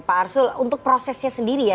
pak arsul untuk prosesnya sendiri ya